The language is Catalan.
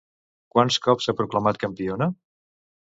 Quants cops s'ha proclamat campiona?